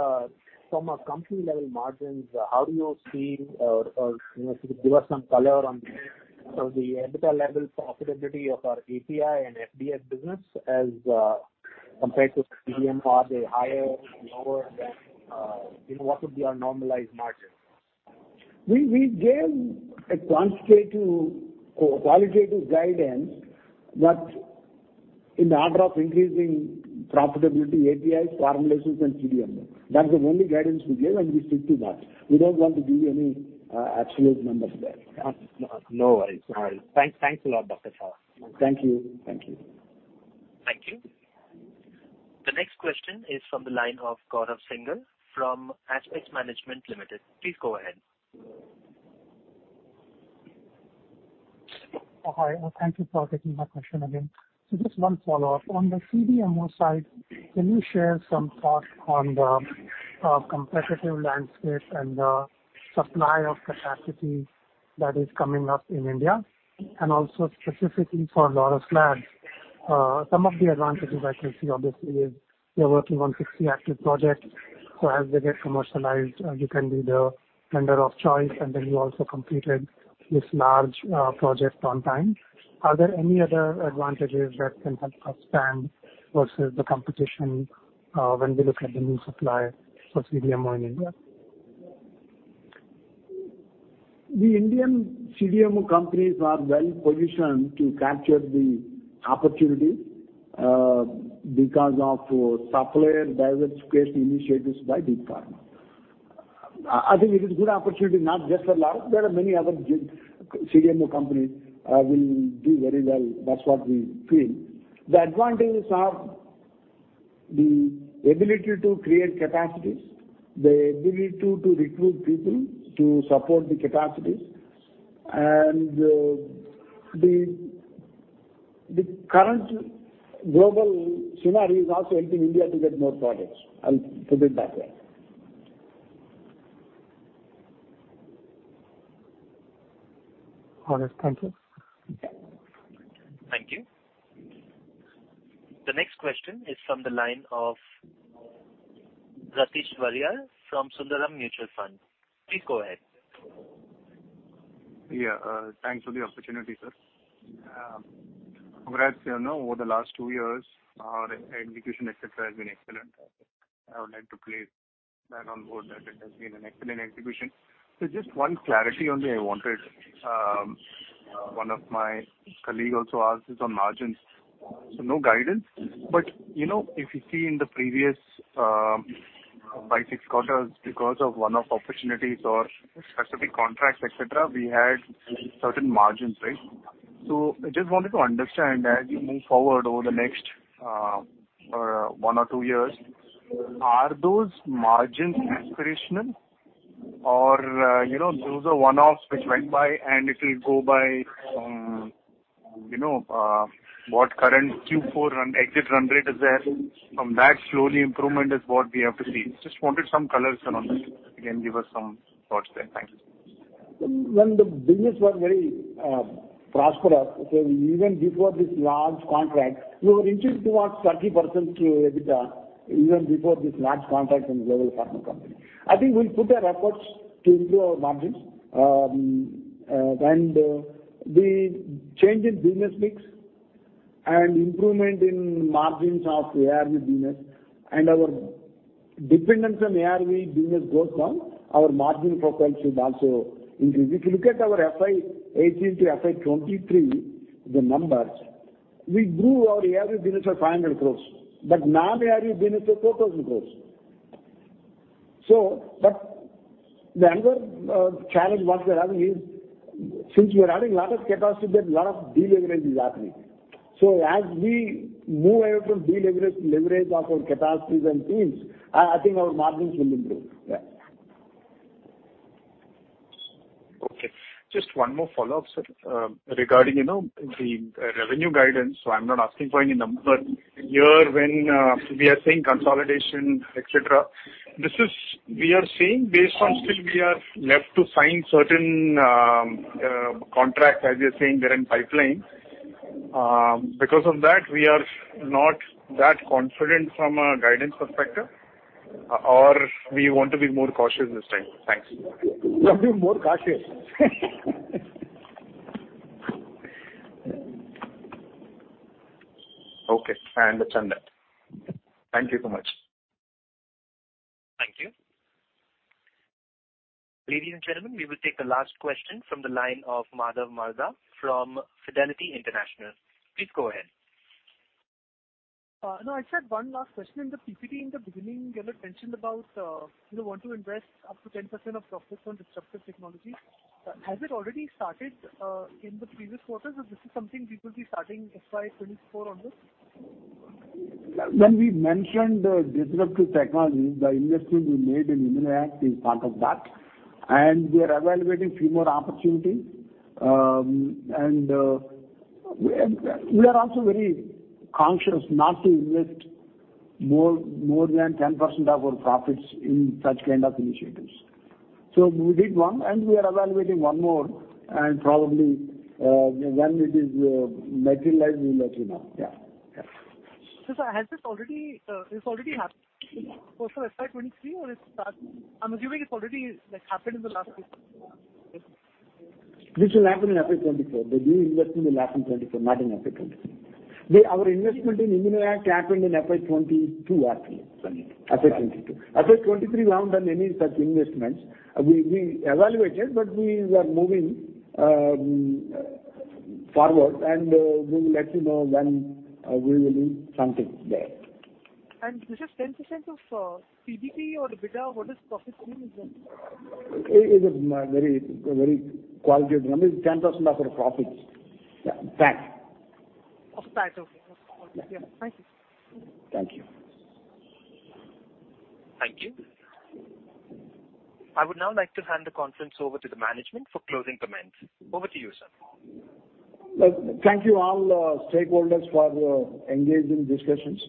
from a company level margins, how do you see or, you know, if you could give us some color on sort of the EBITDA level profitability of our API and FDF business as compared to CDMO. Are they higher or lower than, you know, what would be our normalized margin? We gave a qualitative guidance that in the order of increasing profitability, APIs, formulations and CDMO. That's the only guidance we gave, and we stick to that. We don't want to give any absolute numbers there. No worries. No worries. Thanks, thanks a lot, Dr. Chava. Thank you. Thank you. Thank you. The next question is from the line of Gaurav Singhal from Aspex Management Hong Kong Limited. Please go ahead. Hi. Thank you for taking my question again. Just one follow-up. On the CDMO side, can you share some thoughts on the competitive landscape and the supply of capacity that is coming up in India, and also specifically for Laurus Labs? Some of the advantages I can see obviously is you're working on 60 active projects. As they get commercialized, you can be the vendor of choice, and you also completed this large project on time. Are there any other advantages that can help us stand versus the competition when we look at the new supply for CDMO in India? The Indian CDMO companies are well-positioned to capture the opportunity, because of supplier diversification initiatives by big pharma. I think it is a good opportunity not just for Laurus, there are many other CDMO companies will do very well. That's what we feel. The advantages are the ability to create capacities, the ability to recruit people to support the capacities. The current global scenario is also helping India to get more projects. I'll put it that way. All right. Thank you. Thank you. The next question is from the line of Ratish Varier from Sundaram Mutual Fund. Please go ahead. Yeah. Thanks for the opportunity, sir. Congrats. You know, over the last two years, our execution, et cetera, has been excellent. I would like to place that on board that it has been an excellent execution. Just one clarity only I wanted. One of my colleague also asked this on margins. No guidance, but, you know, if you see in the previous, five, six quarters because of one-off opportunities or specific contracts, et cetera, we had certain margins, right? I just wanted to understand as you move forward over the next, one or two years, are those margins aspirational or, you know, those are one-offs which went by and it will go by, you know, what current Q4 exit run rate is there. From that, slowly improvement is what we have to see. Just wanted some colors around this. You can give us some thoughts there. Thank you. When the business was very prosperous, even before this large contract, we were inching towards 30% to EBITDA even before this large contract from global pharma company. I think we'll put our efforts to improve our margins. The change in business mix and improvement in margins of ARV business and our dependence on ARV business goes down, our margin profile should also increase. If you look at our FY 2018 to FY 2023, the numbers, we grew our ARV business to 500 crores, but non-ARV business to 4,000 crores. The other challenge what we're having is since we are adding lot of capacity, there's lot of deleverage is happening. As we move ahead to deleverage, leverage of our capacities and teams, I think our margins will improve. Yeah. Okay. Just one more follow-up, sir. regarding, you know, the revenue guidance. I'm not asking for any number. Here when we are saying consolidation, et cetera, this is we are saying based on still we are left to sign certain contracts as you're saying they're in pipeline. because of that, we are not that confident from a guidance perspective, or we want to be more cautious this time? Thanks. We want to be more cautious. Okay, I understand that. Thank you so much. Thank you. Ladies and gentlemen, we will take the last question from the line of Madhav Marda from Fidelity International. Please go ahead. No, I just had one last question. In the PPT in the beginning, you had mentioned about, you know, want to invest up to 10% of profits on disruptive technologies. Has it already started, in the previous quarters, or this is something we could be starting FY 2024 onwards? When we mentioned disruptive technologies, the investment we made in ImmunoACT is part of that. We are evaluating few more opportunities. We are also very conscious not to invest more than 10% of our profits in such kind of initiatives. We did one. We are evaluating one more. Probably, when it is materialized, we'll let you know. Sir, has this already, this already happened for FY 2023? I'm assuming it's already, like, happened in the last fiscal. This will happen in FY 2024. The new investment will happen in 2024, not in FY 2023. Our investment in ImmunoACT happened in FY 2022 or 2023. Sorry, FY 2022. FY 2023 we haven't done any such investments. We evaluated, but we were moving forward, and we will let you know when we will do something there. This is 10% of PBT or EBITDA? What does profits mean in that? It is a very, very qualitative term. It's 10% of our profits. Yeah, PAT. Of PAT, okay. Yeah. Thank you. Thank you. Thank you. I would now like to hand the conference over to the management for closing comments. Over to you, sir. Thank you all, stakeholders for your engaging discussions.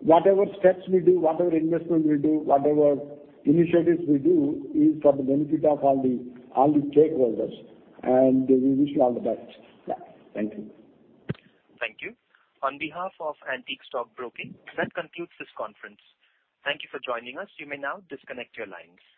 Whatever steps we do, whatever investment we do, whatever initiatives we do is for the benefit of all the stakeholders, and we wish you all the best. Yeah. Thank you. Thank you. On behalf of Antique Stock Broking, that concludes this conference. Thank you for joining us. You may now disconnect your lines.